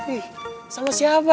ih sama siapa